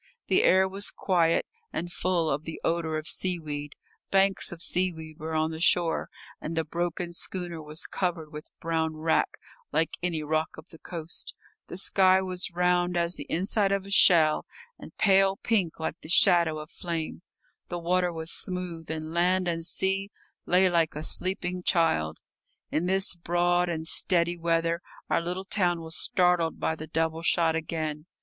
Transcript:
The air was quiet and full of the odour of seaweed; banks of seaweed were on the shore, and the broken schooner was covered with brown wrack, like any rock of the coast; the sky was round as the inside of a shell, and pale pink like the shadow of flame; the water was smooth, and land and sea lay like a sleeping child. In this broad and steady weather our little town was startled by the double shot again.